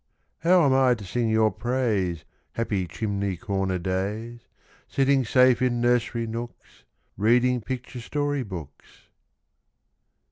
How am I to sing your praise, Happy chimney corner days, Sitting safe in nursery nooks, Reading picture story books?